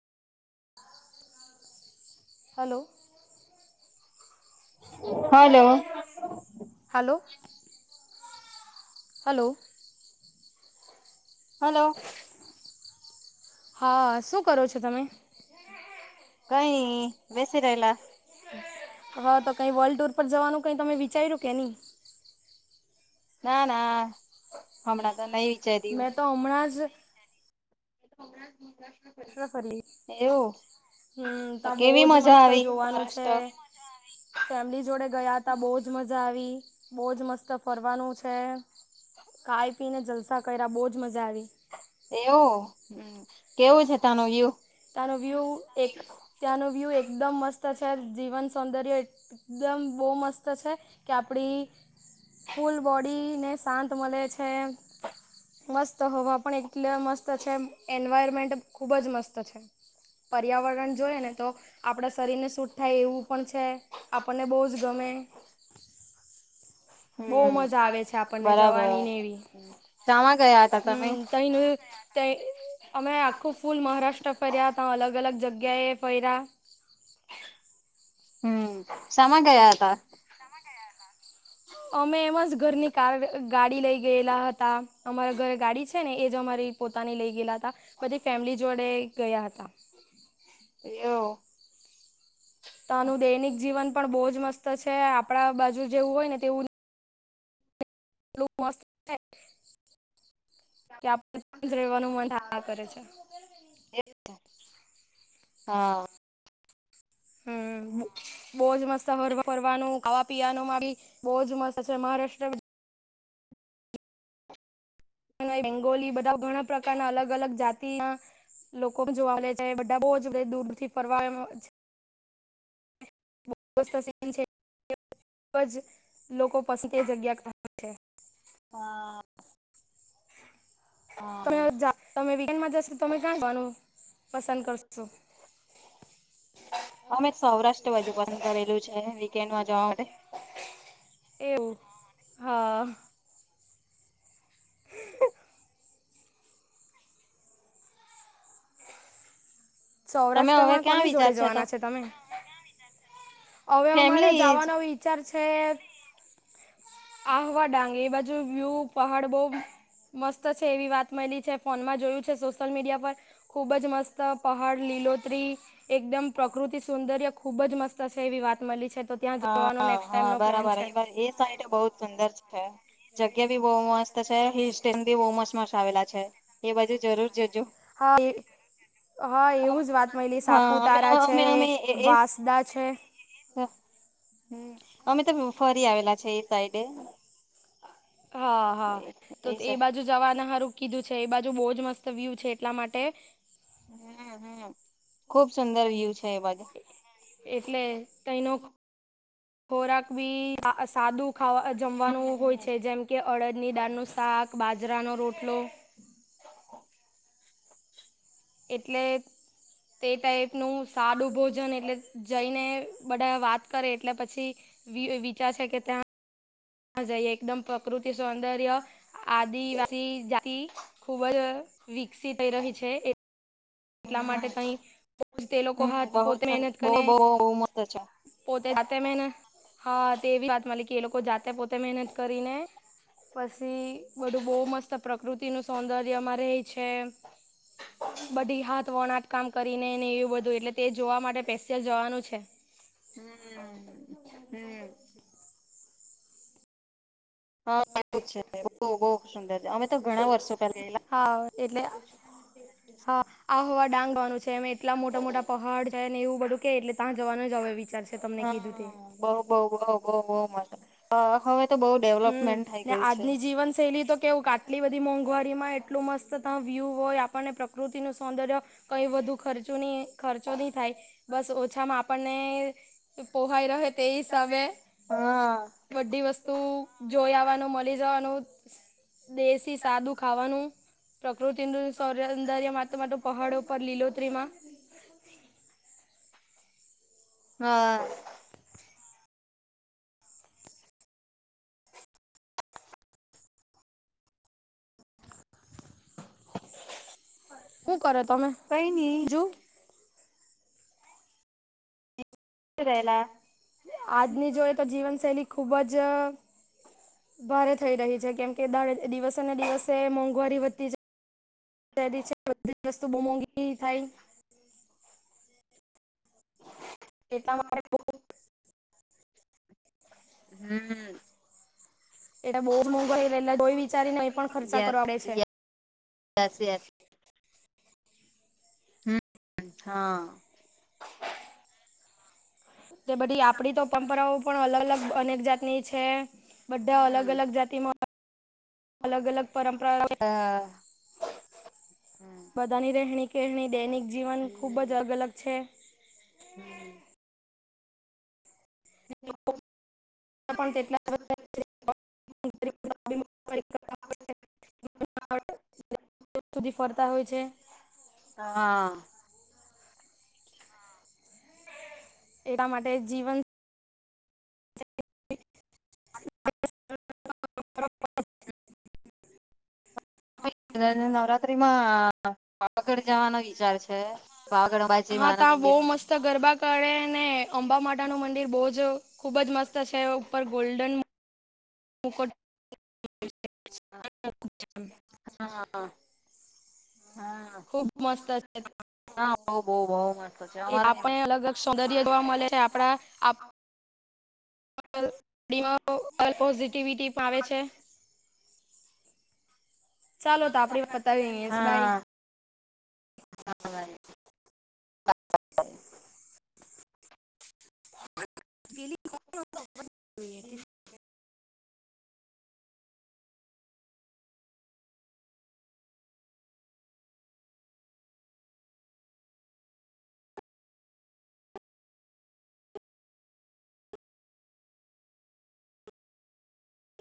Hello hello hello hello hello હા શું કરો છો તમે. કઈ બેસી રહે એલા. હા તો કઈ વર્લ્ડ ટુર પર જવાનું કઈ તમે વિચાર્યું કે નહી. ના ના હણા તો નહી વિચાર દવ મેં તો હમણાં જ સગ મહારાષ્ર ફરી હમ ત્યા કેવી બહજ મજા મસ્ત આવી જોવાનું છે. મહારાષ્ટ્ર ફેમિલી જોડે ગયા હતા બહજ મજા આવી. બહુ જ મસ્ત ફરવાનું છે ખાઈ પીને જલસા કર્યા બહુ જ મજા આવી. એવ હમ કેવું છે તાનું વ્યુ તનો વ્યુ એક. ત્યાંનો વ્યૂ એકદમ મસ્ત છે જીવન સૌંદર્ય એકદમ બહુ મસ્ત છે કે આપણી ફૂલ બોડી ને શાંત મળે છે. છે મસ્ત હોવા પણ એટલે મસ્ત છે. એન્વાયરમેન્ટ ખૂબ જ મસ્ત છે. પર્યાવરણ જોય ને તો આપડા શરીરને શૂટ થાય એવું પણ છે આપણને બહુ જ ગમે બહુ હમ મજા આવે છે આપણને બરાબર જવાનીને એવી શામાં ગયા હતા તમે હમ. તનો અમે આખું ફૂલ મહારાષ્ટ્ર ફર્યા ત્યાં અલગ અલગ જગ્યાએ પહેર્યા. હમ શમા ગયા હતા. અમે એમાં જ ઘરની કાર ગાડી લઈ ગયેલા હતા અમારા ઘરે ગાડી છે ને એ જ અમારી પોતાની લઈ ગયેલા હતા બધી ફેમિલી જોડે ગયા હતા. એવું તા નું દૈનિક જીવન પણ બોવ જ મસ્ત છે આપડા બાજુ જેવું હોય ને તેવું મસ્ત છે કે [inaudible] રહેવાનું મન થયા કરે છે. હા. હમ બોજ મસ્ત ફરવાનું ખાવા પીવાનું મા બી બોવ જ મસ્ત છે મહારાષ્ટ્ર બેંગોલી બધા ઘણા પ્રકારના અલગ અલગ જાતીના લોકો જોવા મળે છે બધા બો જ દૂરથી ફરવા આવે બ પસ છે [unintelligible] ખૂબ જ લોકો પાસે તે જગ્યા છે હા. હા તમે તમે વિકેન્ડમાં જશો તમે ક્યાં જવાનું પસંદ કરશો. શો અમેં સૌરાષ્ટ્ર બાજુ પસંદ કરેલું છે વીકેન્ડમાં જવા માટે. એવું હા. તમે હવે સૌરાષ્ટ્રમાં ક્યાં કોની વિચાર જોડે તો જવાના છે તમે. હવે અમારે ફેમિલી જ જવાનો વિચાર છે આહવા ડાંગ એ બાજુ વ્યૂ પહાડ બહુ મસ્ત છે એવી વાત મળલી છે ફોનમાં જોયું છે સોશલ મીડિયા પર ખુબ જ મસ્ત પહાડ લીલોત્રી એકદમ પ્રકૃતિ સૌંદર્ય ખુબ જ મસ્ત છે એવી વાત મળી છે તો ત્યાં જવાનો નેક્સ્ટ ટાઈમનો પ્લાન છે. એટ [unintelligible] બહુ સુંદર છે. જગ્યા બી બહુ મસ્ત છે હિલ સેશન બી બહુ મસ્ત મસ્ત આવેલા છે. એ બાજુ જરૂર જજો. હા હા એવું જ વાત મળલી હા અમે સાપુતારા તા છે અમે અમે એ એ વાંસદા છે. હમ અમે તો ફરી આવેલા છે એ સાઈડે. હા હા તો એ બાજુ જવાના હારું કીધું છે એ બાજુ બહુજ મસ્ત વ્યુ છે એટલા માટે હ હ ખુબ સુંદર વ્યુ છે એ બાજુ એટલે કઈનો ખોરાક બી હમ સાદું ખાવા હમ જમવાનું હોય છે જેમ કે અડદ ની દાળનું શાક બાજરાનો રોટલો એટલે તે ટાઈપનું સાડું ભોજન એટલે જઈને બધા વાત કરે એટલે પછી વિચાર છે કે ત્યાં જઈએ એકદમ પ્રકૃતિ સૌંદર્ય આદિવાસી જાતી ખુબ જ વિકસિત થઈ રહી છે. એટલા હમ માટે તહી તે લોકો હાથ બહુ પોતે મહેનત બહુ કરને બહુ બહુ મસ્ત છે પોતે જાતે મહેનત હા તેવી વાત મલી કે એ લોકો જાતે પોતે મહેનત કરીને પછી બધું બહુ મસ્ત પ્રકૃતિ નું સૌંદર્યમાં રહે છે. બધી હાથ વણાટ કામ કરીને ને એવું બધું એટલે તે જોવા માટે પેસ્ટલ જવાનું છે. હમ હમ. હા એવું જ છે બહું સુંદર છે અમે તો ઘણા વર્ષો પેલા ગયેલા હા એટલે હા આહવા ડાંગ જવાનું છે અમે એટલા મોટા મોટા પહાડ છે ને એવું બધું કે એટલે ત્યાં જવાનું જ હવે વિચાર છે. તે તમને કીધું તે હા બઉ બહુ બહુ બહું બહુ મસ્ત હવે તો બઉે હમ ને આજની જીવનશૈલી તો કેવું કે એટલી બધી મોંઘવારીમાં એટલું મસ્ત તા વ્યૂ હોય આપણને પ્રકૃતિનું સૌંદર્ય કઈ વધુ ખર્ચું ની ખર્ચો નહી થાય બસ ઓછામાં આપણને પોહાઈ રહે તે હિસાબે હા બદી વસ્તુ જોઈ આવવાનું મળી જવાનું દેશી સાદું ખાવાનું પ્રકૃતિનું સૌર્યંદર્ય મા માટ પહાડો ઉપર લીલોત્રી માં હા [inaudible] શું કરો તમે કઈ નઈ જોુ શું રહેયલા આજની જોઈએ તો જીવનશૈલી ખૂબ જ ભારે થઈ રહી છે કેમ કે દિવસે ને દિવસે મોંઘવારી વધતી જ રી છે બધી જ વસ્તુ બહુ મોંઘી થાય [unintelligible] એટલા માટે બોવ હમ્મ એટલે બહુ જ મોંઘવારી એટલે કોઈ વિચારીને એ પણ ખર્ચા કરવા પડે છે [unintelligible] [unintelligible] હ હા તે બધી આપણી તો પરંપરાઓ પણ અલગ અલગ અનેક જાતની છે બધા અલગ હમ અલગ જાતિમાં અલગ અલગ પરંપરા હા હમ બધાની રહેણી કેણી દૈનિક જીવન ખૂબ જ અગ અલગ છે હમ્મ [unintelligible] પણ તેટલા [unintelligible] [unintelligible] [unintelligible] સુધી ફરતા હોય છે. હા એના માટે જીવન [unintelligible] એને નવરાત્રિમાં પાવાગઢ જવાનો વિચાર છે પાવાગઢ અંબાજી માના મંદિરે તો ગરબા કરે ને અંબા માતાનું મંદિર બહુ જ ખુબ જ મસ્ત છે ઉપર ગોલ્ડન મુકટ [unintelligible] હા હા ખૂબ મસ્ત હા બહું બહુ બહુ આપણને અલગ અલગ સૌંદર્ય જોવા મલે છે આપડા [unintelligible] માં પોઝિટિવિટી આવે છે. ચાલો તો આપડે વાત પતાવીઈ બાઈ હા [unintelligible]